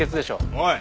おい！